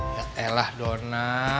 ya elah dona